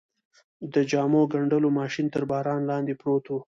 د جامو ګنډلو ماشین تر باران لاندې پروت و.